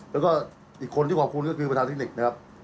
แล้วก็อีกคนที่ขอบคุณก็คือประธานเทคนิคนะครับ